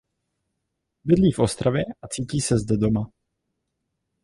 Bydlí v Ostravě a cítí se zde doma.